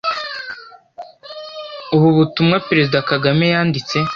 Ubu butumwa Perezida Kagame yanditse